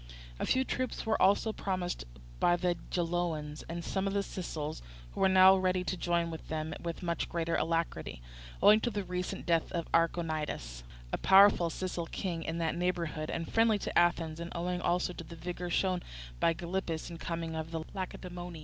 A few troops were also promised by the Geloans and some of the Sicels, who were now ready to join them with much greater alacrity, owing to the recent death of Archonidas, a powerful Sicel king in that neighbourhood and friendly to Athens, and owing also to the vigour shown by Gylippus in coming from Lacedaemon.